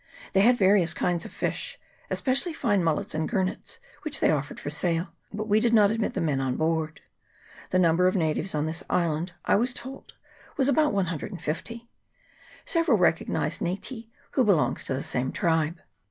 They had various kinds of fish, especially fine mullets and gurnets, which they of fered for sale, but we did not admit the men on board. The number of natives on this island, I was told, was about 150. Several recognised Nayti, who belongs to the same tribe.